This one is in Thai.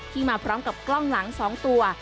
มาพร้อมกับกล้องหลัง๒ตัว